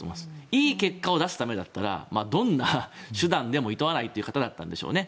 いい結果を出すためならどんな手段でもいとわないという方だったんでしょうね。